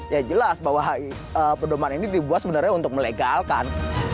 ya jelas bahwa pedoman ini dibuat sebenarnya untuk melegalkan